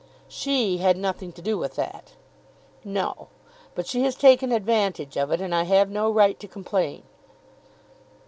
"She had nothing to do with that." "No; but she has taken advantage of it, and I have no right to complain."